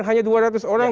oke hanya dua ratus orang